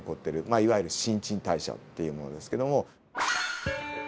まあいわゆる新陳代謝っていうものですけども。